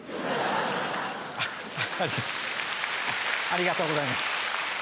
ありがとうございます。